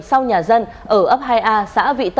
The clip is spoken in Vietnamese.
sau nhà dân ở ấp hai a xã vị tân tp vị tân